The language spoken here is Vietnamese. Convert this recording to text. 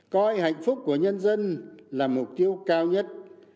coi hạnh phúc của nhân dân là mục tiêu cao nhất